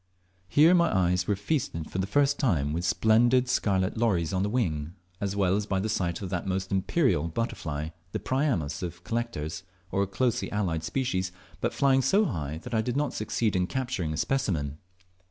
Here my eyes were feasted for the first time with splendid scarlet lories on the wing, as well as by the sight of that most imperial butterfly, the "Priamus" of collectors, or a closely allied species, but flying so high that I did not succeed in capturing a specimen.